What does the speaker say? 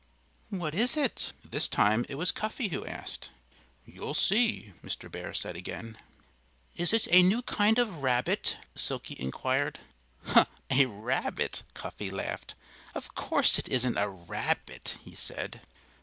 "What is it?" This time it was Cuffy who asked. "You'll see," Mr. Bear said again. "Is it a new kind of rabbit?" Silkie inquired. "Huh! A rabbit!" Cuffy laughed. "Of course it isn't a rabbit," he said.